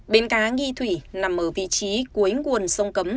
bến cá nghi thủy nằm ở vị trí cuối nguồn sông cấm